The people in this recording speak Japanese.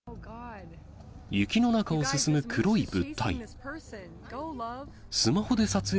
雪の中を進む黒い物体。